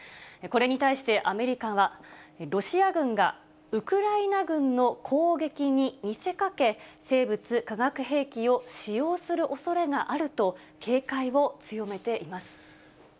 これに対してアメリカは、ロシア軍がウクライナ軍の攻撃に見せかけ、生物化学兵器を使用するおそれがあると、警戒を強めています。